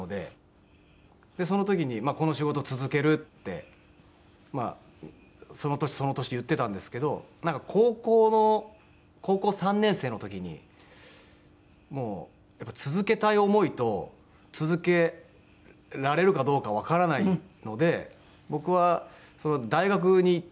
その時に「この仕事続ける」ってその年その年言ってたんですけどなんか高校の高校３年生の時にもう続けたい思いと続けられるかどうかわからないので僕はそのあと大学に行ったんですよ。